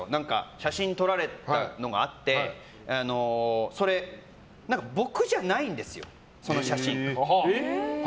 写真を撮られたのがあって僕じゃないんですよ、その写真。